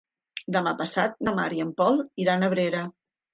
Demà passat na Mar i en Pol iran a Abrera.